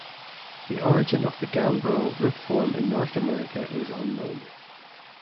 The origin of the gambrel roof form in North America is unknown.